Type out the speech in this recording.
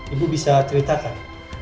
ibu bisa ceritakan